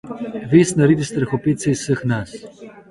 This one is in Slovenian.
Vest naredi strahopetce iz vseh nas.